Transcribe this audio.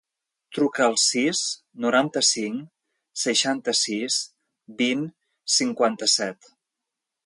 Truca al sis, noranta-cinc, seixanta-sis, vint, cinquanta-set.